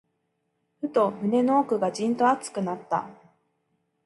ふと、胸の奥がじんと熱くなった。